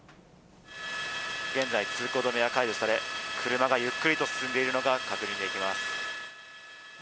現在、通行止めは解除され、車がゆっくりと進んでいるのが確認できます。